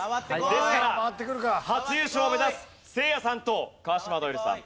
ですから初優勝を目指すせいやさんと川島如恵留さん